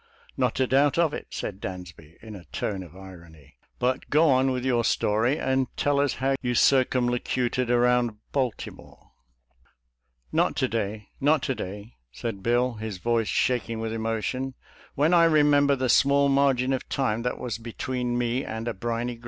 " Not a doubt of it," said Dansby, in a tone 202 SOLDIER'S : LETTERS : TO CHARMING NELLIE of irony; ''but go on with your story i and tell us how you circumlocuted around Baltimore? "" Not. to day not to day," said Bill, his voice shaking withi emotion. " When I remember the small margin of time that was between me and a briny.